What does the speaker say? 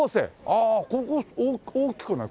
ああ高校大きくない？